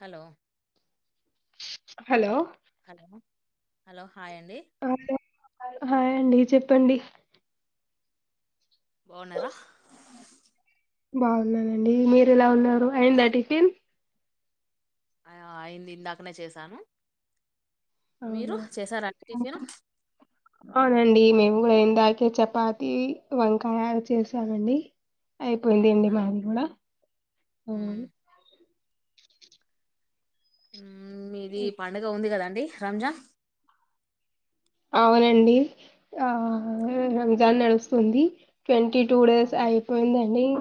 Hello hello hello hello hi అండి hello hi అండి చెప్పండి బాగున్నారా బాగున్నానండి మీరు ఎలా ఉన్నారు అయిందా టిఫిన్ ఆ అయింది ఇందాకనే చేసాను మీరు అవునా చేసార అండి టిఫిను అవునండి మేము కూడా ఇందాకే చపాతి వంకాయ చేసామండి అయిపోయింది అండి అవునా మాది కూడా అవు మ్మ్ మ్మ్ మీది పండుగ ఉంది కదండి డి రంజాన్ అవునండి ఆ రంజాన్ నడుస్తుంది ట్వంటీ టూ డేస్ అవును అయిపోయింది అండి ఇ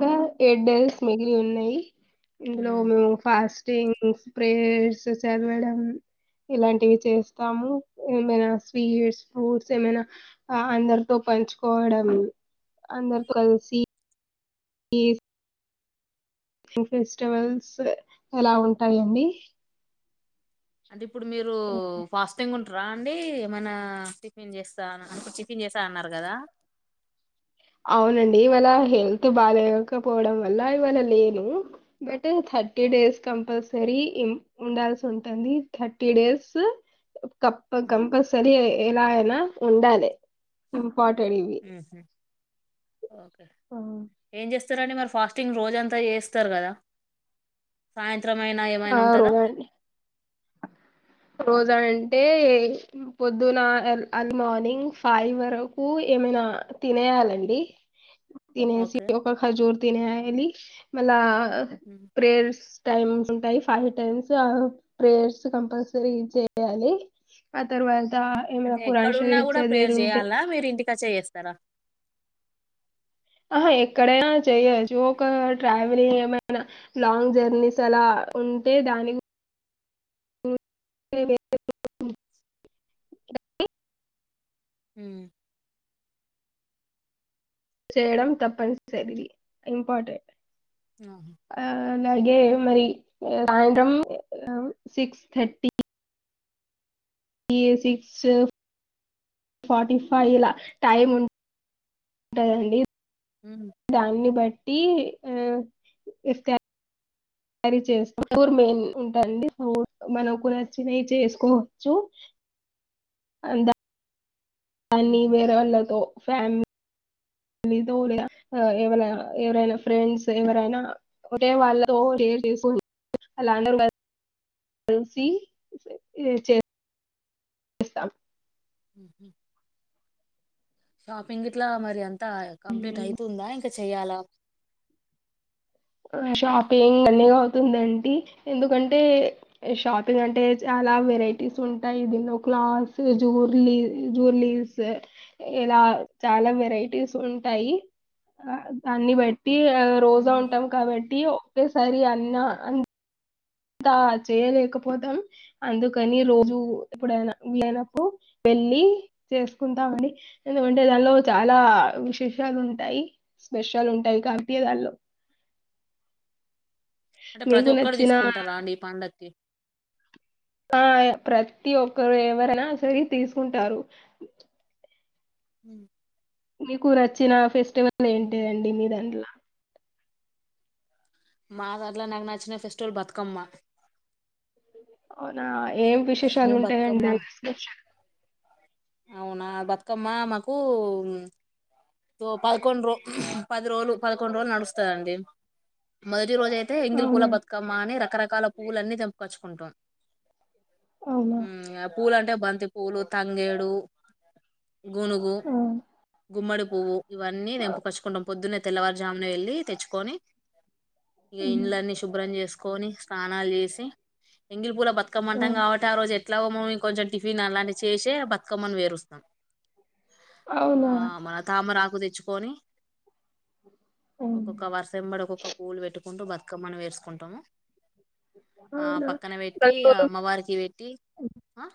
ఎడ్డల్స్ మిగిలి ఉన్నాయి ఇందులో మ్మ్ మేము ఫాస్ట్ స్టింగ్స్ ప్రేయర్స్ చదవడం ఇలాంటివి చేస్తాము ఏమైనా స్వీట్స్ ఫ్రూట్స్ ఏమైనా అందరితో పంచుకోవడం అందరు కలిసి ఏ ఫెస్టివల్స్ ఎలా ఉంటాయండి అంటే ఇప్పుడు మీరు ఫాస్టింగ్ ఉంట ట్రాండి ఏమైన్నా టిఫిన్ చేస్తా అ చిఫిన్ చేస్తా అన్నారు కదా అవునండి ఇవాళ హెల్త్ బాగాకపోవడం వల్ల ఇవాళ లేను బట్ థర్టీ ఓ- డేస్ కంపల్స సరి ఉండాల్సి ఉంటుంది థర్టీ డేస్ కప్ప మ్మ్ కంపల్సరి ఎలా అయినా ఉండాలి పాటటివి మ్మ్. ఓకే ఏం చే చేస్తారండి మరి ఫాస్టింగ్ రోజంతా చేస్తరు కదా చిత్రమైన ఆ, ఏమైనా ఉంటుందా రోజా రోజా అంటే పొద్దున అర్లీ మార్నింగ్ ఫైవ్ వరకు ఏమైనా తినేయాలండి తినేసి ఓకే ఒక ఖజూరు తినేయాలి మల్లా మ్మ్. ప్రేర్స్ టైమ్స్ ఉంటాయి ఫైవ్ టైమ్స్ ఆ ప్రేయర్స్ కంపల్స సరి చేయాలి ఆ తర్వాత త ఏమన్న అంటే ఖరాన్ షరీఫ్ చదివేది ఉంటే కచ్చె చేస్తారా ఆహా ఎక్కడైనా చెయ్యచ్చు ఒక ట్రావెలింగ్ ఏమైనా లాంగ్ జర్నీస్ అలా ఉంటే దాని గురి [inaudible] మ్మ్ చేయడం తప్పనిసరి ఇంపార్టెంట్ ఆహా. ఆ అలాగే మరి సాయంత్రం సిక్స్ థర్టీ ఇగ సిక్స్ ఫార్టీ ఫైవ్ ల టైం ఉ ఉంటుందండి, మ్మ్. దాన్ని బటి ట్టి ఇ ఇ [inaudible] మెయిన్ ఉంటుడి మనకు నచ్చినవి చేసుకోవచ్చు అ, కానీ ఉహు వేరే వాళ్ళతో ఫ్యామిలీ, దు లేదా ఎవలేనా ఎవరైనా ఫ్రెండ్స్ ఎవరైనా పోతే వాళ్ళతో ఏ చేసు వాళ్లందరూ కలిసి చే చేస్తాం షాపింగ్ గిట్ల మరి ఆ త కంప్లీట్ ఉమ్ అయితుందా ఇంకా చే చెయాలా ఆ షాపింగ్ మెల్లగా అవుతుందండి ఎందుకంటే షాపింగ్ అంటే చాలా వెరైటీస్ ఉంటాయి. దీనిలో క్లాస్ జూర్లీ జూర్లీస్ ఇలా చాలా వెరైటీస్ ఉంటాయి, ఆ అన్ని బటి, టి రోజా మ్మ్. ఉంటాం ఏంటి ఒకే సారి అన్ని ఆ అంత చేయలేకపోదాం అందుకు, కనీ మ్మ్. రోజు ఎప్పుడైనా వీలైనప్పుడు, పు వెళ్ళి చేసుకుంటామని. ఎందుకంటే దాలో చాలా విశేషాలు ఉంటాయి. స్పెషలు ఉంటాయి కాబట్టి దాంట్లో, అంటే ప్రతి ఒక్కరు తీసుకుంటారా అండి ఈ పండక్కి, ఆ ప్రతి ఒక్కరు ఎవరైనా సరే తీసుకుంటారు, ఊ మీకునచ్చినా ఫెస్ వల్ ఏంటి మ్మ్హ్మ్. అండి మీ దాంట్ల, మా దాంట్లో నాకు నచ్చిన ఫెస్టివల్ బతుకమ్మ, అవునా ఏం విశేషాలు మేము బతుకమ్మ ఉంటాయండి [unintelligible] అవునా బతుకమ్మ. మాకు తో పదకొండు రో పది రోజులు పదకొండు రోజులు నడుస్తదండి మొదటి, రోజ అయితే ఎంగిల పూల అవునా బతుకమ్మ అని రక రకా, రకాల పువ్వులన్నీ తెంపకచ్చుకుంటాం, అవునా ఊ ఆ పూలు అంటే బంతి పూలు తంగే, డు గునుగు ఆ గుమ్మడి, పువ్వు ఇవన్నీ ఆ తెంపకొచ్చుకుంటాం పొద్దున, తెల్లవారుజామునే వెళ్ళి తెచ్చుకొని, ఇగ హ్మ్. ఇండ్లన్నీ శుభ్రం చేసు కొని స్నానాలు చేసి ఎంగిలి పూల బతు కమ్మ ఆ! కాబట్టి ఆ రోజు ఎ ఎట్లామో కొంచెం టిఫిన్ అలానే చేసే బ పకమని వేరుొస్తాం ఆ అవునా మన తామరా ప్పు తెచ్చుకొని హ్మ్. ఒక్కొక్క వర్షంబడి ఒక్కొక్క పూలు పెట్టుకు కుంటూ బతుకమ్మను వేసుకుంటాము ఆ అవునా పక్కన పెట్టి దాంట్లో అమ్మవారికి పెట్టి ఆ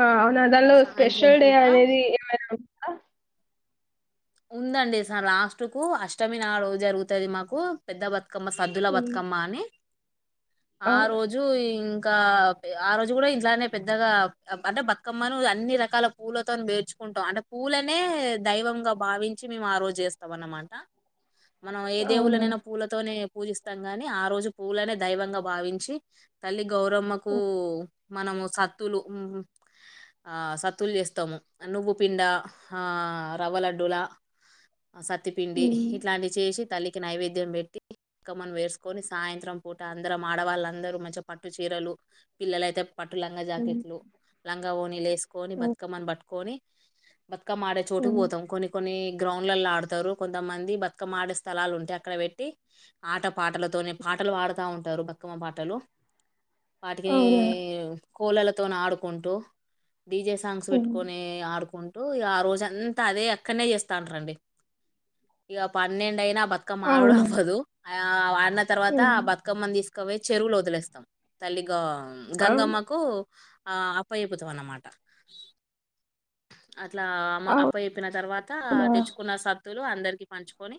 ఆ దానిలో సాయంత్రం స్పెషల్ డే పూట అనేది ఏమైనా ఉా ఉందండి లాస్ట్ కు అష్టమి నాడు జరుగుతది మాకు పెద్ద బర్ బతుకమ్మ సద్దుల బతుకమ్మ అని ఆ అవునా రోజు ఇం ఇంకా ఆ రోజు కూడా ఇంట్లానే పెద్దగా అంటే బతుకమ్మను అన్ని రకాల పూలతో మేర్చుకుంటాం అంటే పూలనే దైవంగా భావించి మేము ఆ రోజు చేస్తాంన్నమాట మనం ఏ అవునా దేవులనైనా పూలతోనే పూజిస్తాం గాని ఆ రోజు పూవలనే దైవంగా భావించి తల్లి గౌరమ్మకు అవునా మనము సత్తులు ఆ సత్తులు చేస్తాము నువ్వు పిండా ఆ రవలడ్డ లా ఆ సత్తిపిండి హ్మ్. ఇట్లాంటి చేసి తల్లికి నైవేద్యం పెట్టిక్కమ్మనం వేసుకొని సాయంత్రం పూట అందరం ఆడవాళ్ళందరూ మంచి పట్టు చీరలు పిల్లలయితే పట్టు లంగా హ్మ్. జాకెట్లు లంగా ఓనీలు వేసుకొని హ్మ్. బతుకమ్మని పట్టుకొని బత్కా మ మాడే చోటే హ్మ్. వతాం కొన్ని గ్రౌండ్లలో ఆడుతారు కొంతమంది బతుకమ్మ ఆడే స్థలాలు ఉంటే అక్కడ పెట్టి ఆట పాటలతో పాటలు ఆడుతా ఉంటారు బతుకమ్మ పాటలు వాటికిని అవునా కూలలతో ఆడుకుంటూ డీజే సాంగ్స్ హ్మ్. పెట్టుకొని ఆడుకుంట ఆ రోజుంత అదే అ పక్కనే చేస్తాను రండి ఇక పన్నెండు అయినా పక్కక అవునా మారడుబదు ఆ అన్న తర్వాత హ్మ్. ఆ బతుకమ్మని తీసు ఇవే చెరువులు వదిలేస్తాం తల్లిగా అవును. గంగమ్మకు ఆ అపచెపుతం అన్నమాట అట్లా అ అప్ప చెప్పిన తర్వాత అవునా తెచ్చుకున్న సత్ [unintelligible] అందరికి పంచుకొని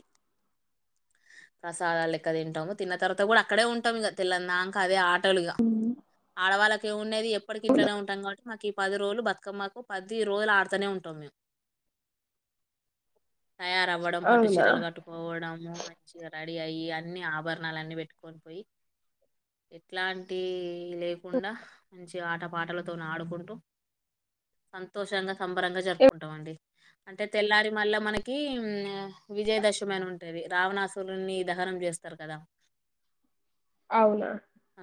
ప్రసాదాలు లెక్క తింటాము తిన్న తర్వాత కూడా అక్కడే ఉంటాం ఇక తెల్లందాక అదే ఆ [unintelligible] హ్మ్. ఆడవాల [unintelligible] ఎప్పటికి అవునా ఇంట్నే ఉంటా కాబటికు ఈ పది రోజులు బతుకమ్మకు పది [unintelligible] రోజులు ఆడుతూనే ఉంటాం మేము తయారవ్వడం పట్టు అవునా చీరలు కట్టుకోవడము మంచి రెడీ అయ్యి అన్నీ ఆభరణాలు అన్నీ పెట్టుకొని పోయి ఎట్లాంటి లేకుండా మంచి ఆటపాటలతో ఆడుకుంటూ సంతోషంగా సంబరంగా ఎవ్ జరుపుకుంటాం అండి అంటే తెల్లారి మళ్ళా మనకి విజయదశమి అని ఉంటేది రావణాసు ని దహనం చేస్తారు కదా అవునా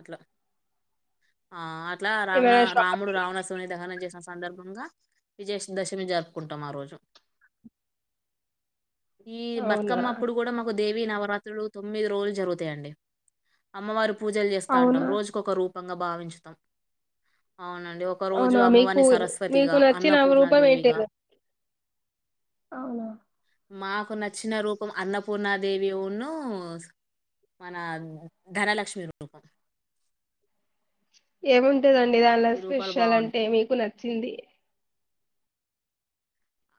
అట్లా ఆ అట్లా రావణ ఏమైనా షాప్ రాముడు రావణుడిని దహనం చే సంధబ్ గా విజయ దశమి జరుపుకుంటాం ఆ రోజు ఈ అవునా బతుకమ్మ అప్పుడు కూడా మాకు దే వి నవరాత్రులు తొమ్మిది రోజులు జరుగుతాయండి అమ్మవారి పూజలు చేస్తా ఉంటాం అవునా రోజుకు ఒకరూ [unintelligible] భావించుతాం అవునండి ఒకరోజు అవునా మీకు అమ్మవారిని సరస్వ మీకు నచ్చిన రూపం ఏంటి అవునా మాకు నచ్చిన రూపం అన్నపూర్ణాదేవిను మన ధనలక్ష్మి రూపం ఎ ఏముంటదండీ దానిలో ఈ రూపాలు స్పెషల్ అంటే బాగుంటాయి మీకు నచ్చింది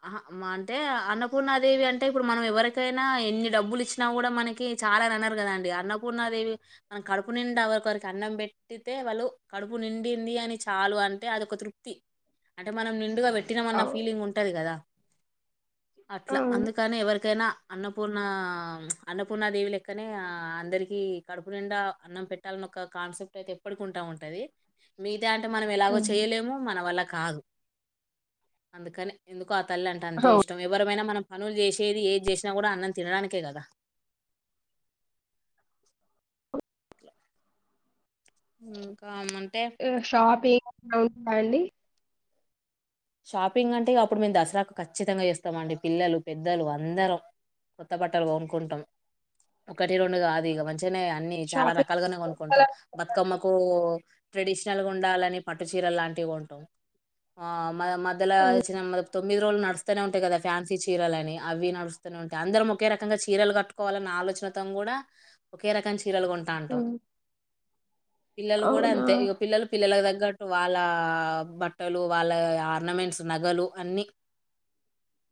ఆహ అంటే అన్నపూర్ణాదేవి అంటే ఇప్పుడు మనం ఎవరికైనా ఎన్ని డబ్బులు ఇచ్చినా కూడా మనకి చాలా అ అన్నారు కదాండి అన్నపూర్ణాదేవి మనం కడుపు నిండువరికరికి అన్నం పెట్టితే వాళ్ళు కడుపు నిండింది అని చాలు అంటే అదొక తృప్తి అంటే మనం నిండుగా పెట్ తన్న అవు ఫీలింగ్ ఉంట కదా అట్లా అవును అందుకని ఎవరికైనా అన్నపూర్ణ అన్నపూర్ణాదేవల లేకనే అందరికి కడుపు నిండా అన్నం పెట్టాలన్న ఒక కాన్సెప్ట్ అయితే ఎప్పటికి ఉంటా ఉంటది మీ అ అంటే మనం ఎలాగో హ్మ్. చేయలేము మన వాల్ల కాదు అందుకని ఎందుకో ఆ తల్లి అంటేంత అవు ఇష్టం ఎవరైనా మనం పనులు చేసేది. ఏది చేసినా కూడా అన్నం తినడానికే కదా ఇ [unintelligible] ఇ షాప్ ఏ అవునా అండి. షాపింగ్ అంటే ఇగ అప్పుడు మేము దసరాకు ఖచ్చితంగా చేస్తామ అండి. పిల్లలు పెద్దలు అందరం కొత్త బట్టలు కొనుకుంటాం. ఒకటి రెండు కాదు ఇగ మంచి అంటేనే అన్ని చాలా షాపింగ్ రకాలుగానే స్పెషల్ కొనుక్కుంటాం. బతుకమ్మకూ ట్రెడిషనల్గా ఉండాలని పట్టు చీరలు లాంటివి కొంటాం. ఆ మ మద్యల హ్మ్. వచ్చిన్న తొమ్మిది రో లు నడుస్తూనే ఉంటాయి. కదా ఫ్యాన్సీ చీరలని అవి నడుస్తూనే ఉంటాయి. అందరం ఒకే రకంగా చీరలు కట్టుకోవాలన్న ఆలోచనతో కూడా ఒకే రకం చీరలు కొంటా అంటాం. హ్మ్. పిల్లలు కూడా అవునా అంతే ఇ పిల్లలు పిల్లల దగ్ గట్ వాళ్ళ బట్టలు వాళ్ళ ఆర్నమెంట్స్, నగలు అన్ని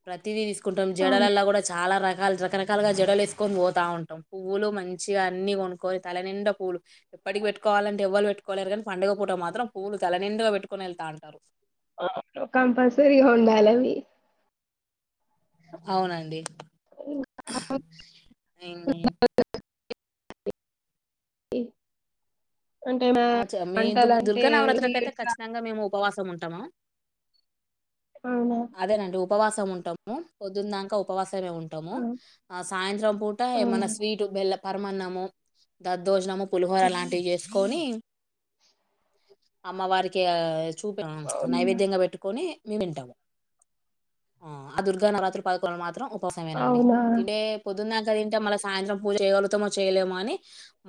ప్రతిది తీస్ కుంటాం. అవును జడల్లాల కూడా చాల రక్ చ్చల్ రకరకాలుగా జడలేసుకని పోతా ఉంటాం. పువ్వులు మంచిగా అన్ని కొనుక్కొని తలనిండ పూలు ఎప్పటికి పెట్టుకోవాలంటే ఎవ్వల్ పెట్టుకోలేరు. కానీ పంండగ పూట మాత్రం పూవ్వులు తలనిండుగా పెట్టుకొని వెళ్తా ఉంటారు. అ కంపల్సరి ఉండాలవి. అవునండి. ఉమ్, ఇ అచ్చ మేమ్ దు దుర్గ నవరాత్రకి అయితే స్వీట్స్ ఖచ్చితంగా మేము ఉపవాసం సం ఉంటాము అవునా అదేనండి. ఉపవాసం ఉంటాము. పొద్దుందాక ఉపవాసం సమే ఉంటాము. ఆ! ఆ సాయంత్రం పూట ఏమన్న అవును స్వీటు, బెల్లం పర్మన్నము దద్ దోజనము, పులిహోర లాంటివి చేస్ కోనీ అమ్మ వారికి ఆ చూప ప్చ్ అవునా నైవేద్యంగా పెట్టుకొని మేమ్ తింటాం. ఆ ఆ దుర్గా నవరాత్రులు పదకొలు మాత్రం ఉ కోసమేనండి. అవునా తింటే పొద్దుదాక తింటే మలస సాయంత్రం పూజచేయగలుగుతమో చేయలేము. అని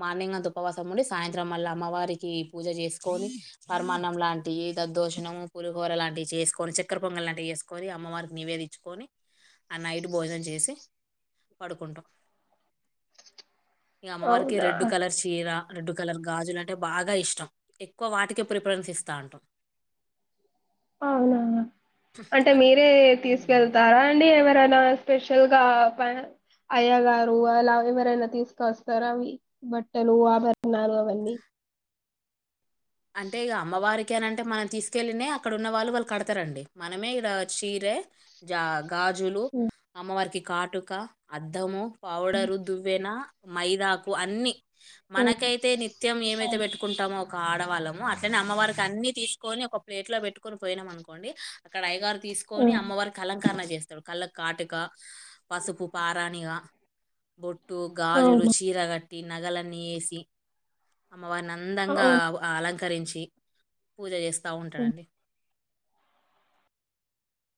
మార్నింగ్ అంత ఉపవాసం ఉండి. సాయంత్రం మల్ల అమ్మవార్ కి పూజ చేసుకొని పరమాన్నం లాంటివి దదోజణం పులిహోర లాంటివి చేసుకొని చక్కర పొంగల్ లాంటివి చేసుకొని అమ్మవారికి నివేదించుకొని ఆ నైట్ భోజనం చేసి పడుకుంటాం ఇగ అమ్మవారుకి అవునా రెడ్ కలర్ చీరా రెడ్ కలర్ గాజులై అవి బాగా ఇష్టం ఎక్కువ వాటికే ప్రిఫరెన్స్ ఇస్తా అంటాం అవున అంటే మీరే ఉమ్. తీసుకెళ్తారా అండి ఎవర చానా స్పెషల్ గా పైన అయ్యా గారు అలా ఎవరైనా తీసుకొస్తారా అవి బట్టలు ఆభరణాలు అవన్నీ అంటే ఇగ అమ్మవారికి కెనంటే మనం తీసుకెళ్ళనే అక్కడ ఉన్న వాళ్ళు వాళ్ళు కడతారండి మనమే ఇక్కడ చీర జా గాజులు అమ్మవారికి కాటుక అద్దము పౌడరు దువ్వెనా మైదకు అన్ని మనకైతే నిత్యం ఏమైతే పెట్టుకుంటామో కాడ్ డ వాళ్ళము అట్నే అమ్మవారికి అన్ని తీసుకొని ఒక ప్లేట్ లో పెట్టుకని పోయినాం అనుకోండి అక్కడ అయ్యగారు ఆ, తీసుకొని అమ్మవారి కలన్ కరణజ్ చేస్తాడు కళ్ళకు కాటుక పసుపు పారాణిగా బొట్ టు గాజులు అవునా చీర గట్టి ఇ నగలన్నీ ఏసి మానందంగా అవునా అలంకరించి పూజ జేస్త బాగుంటాడండి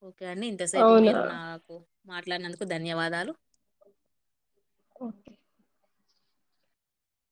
ఓకే అండి ఇంతసేపు అవునా మీరు నాకు మాట్లాడినందుకు ధన్యవాదాలు ఓకే